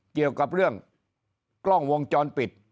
เกี่ยวกับเรื่องกล้องวงจรปิด